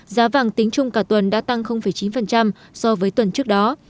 giá vàng tính chung cả tuần đã tăng chín so với tuần trước đó